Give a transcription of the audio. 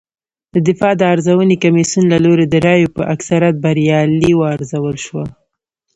د دفاع د ارزونې کمېسیون له لوري د رایو په اکثریت بریالۍ وارزول شوه